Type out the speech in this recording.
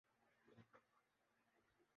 بنجو ساز کے ماہر استاد عقل میر کی مدد کے منتظر